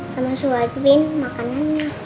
sama suamin makanannya